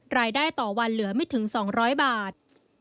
รายได้ต่อวันเหลือไม่ถึง๒๐๐บาท